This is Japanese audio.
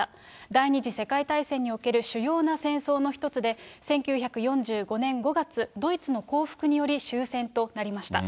第２次世界大戦における主要な戦争の一つで、１９４５年５月、ドイツの降伏により終戦となりました。